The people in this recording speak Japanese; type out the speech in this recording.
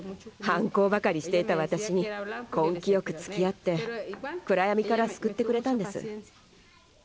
反抗ばかりしていた私に根気よくつきあって暗闇から救ってくれたんです。